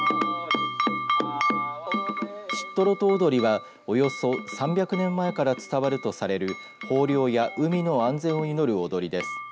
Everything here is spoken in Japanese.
シットロト踊りはおよそ３００年前から伝わるとされる豊漁や海の安全を祈る踊りです。